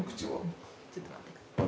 ちょっと待って下さい。